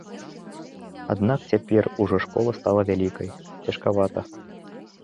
Аднак цяпер ужо школа стала вялікай, цяжкавата.